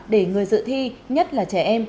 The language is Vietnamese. để người dự thi nhất là trẻ em